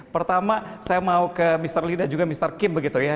pertama saya mau ke mr lee dan juga mr kim begitu ya